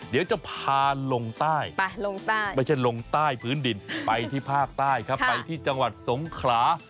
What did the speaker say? เดี๋ยวจะพาลงใต้ไปลงใต้ไม่ใช่ลงใต้พื้นดินไปที่ภาคใต้ครับไปที่จังหวัดสงขลา